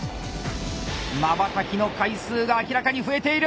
まばたきの回数が明らかに増えている！